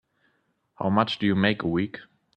How much do you make a week?